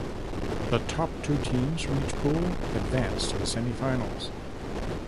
The top two teams from each pool advance to the semifinals.